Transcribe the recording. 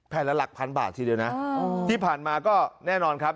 ละหลักพันบาททีเดียวนะที่ผ่านมาก็แน่นอนครับ